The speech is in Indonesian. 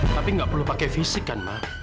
tapi nggak perlu pakai fisik kan